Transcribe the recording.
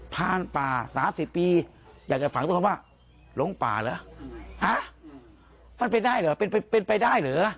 ผ่านป่า๓๐ปีอยากจะฝังตัวคำว่าหลงป่าเหรอมันเป็นไปได้เหรอ